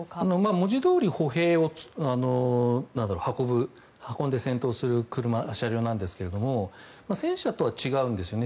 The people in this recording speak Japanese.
文字どおり歩兵を運んで戦闘する車両なんですが戦車とは違うんですよね。